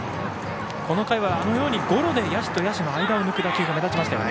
この回は、あのようにゴロで野手と野手の間を抜ける打球が目立ちましたよね。